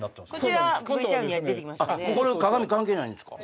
あっこれ鏡関係ないんですか？